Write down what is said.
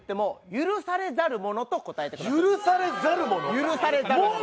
許されざる者！